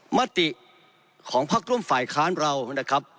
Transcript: มติของพักร่วมฝ่ายค้านเรานะครับ